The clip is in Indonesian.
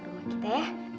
ke rumah kita ya